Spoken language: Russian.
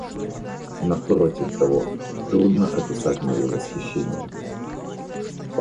Напротив того, трудно описать мое восхищение.